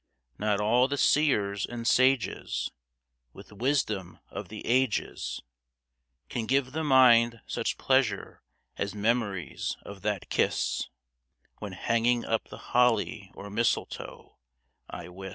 Not all the seers and sages With wisdom of the ages Can give the mind such pleasure as memories of that kiss When hanging up the holly or mistletoe, I wis.